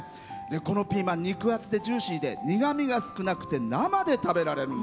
このピーマン肉厚でジューシーで苦みが少なくて生で食べられるんです。